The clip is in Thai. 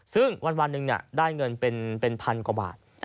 ซึ่งวันหนึ่งได้เงินเป็นพันกว่าบาท